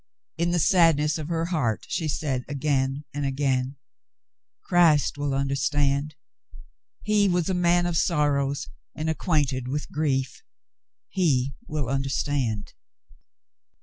In the sadness of her heart she said again and again: "Christ will understand. He was a man of sorrows and acquainted with grief ! He will understand."